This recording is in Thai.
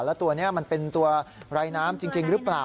แล้วตัวนี้มันเป็นตัวรายน้ำจริงหรือเปล่า